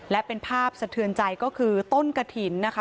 และเป็นภาพสะเทือนใจก็คือต้นกระถิ่นนะคะ